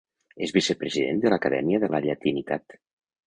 És vicepresident de l’Acadèmia de la Llatinitat.